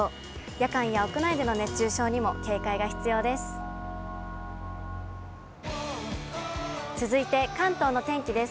夜間や屋内での熱中症にも警戒が必要です。